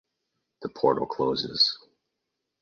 The portal closes.